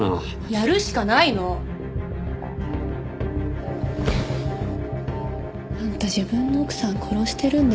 やるしかないの！あんた自分の奥さん殺してるんでしょ。